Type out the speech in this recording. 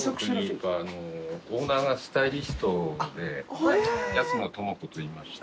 オーナーがスタイリストで安野ともこといいまして。